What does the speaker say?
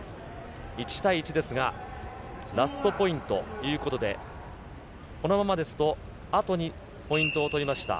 １対１ですが、ラストポイントということで、このままですと、後にポイントを取りました